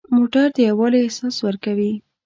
موټر د یووالي احساس ورکوي.